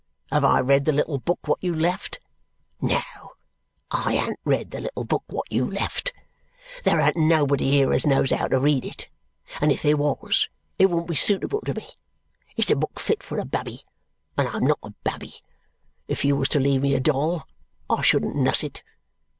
Have I read the little book wot you left? No, I an't read the little book wot you left. There an't nobody here as knows how to read it; and if there wos, it wouldn't be suitable to me. It's a book fit for a babby, and I'm not a babby. If you was to leave me a doll, I shouldn't nuss it.